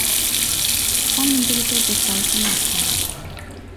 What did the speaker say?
Сам менталітэт застаўся нашым.